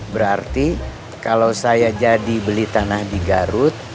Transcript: berarti kalau saya jadi beli tanah di garut